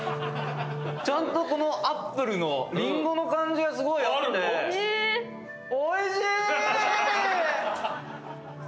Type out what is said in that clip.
ちゃんとこのアップルのリンゴの感じがすごいあっておいしい！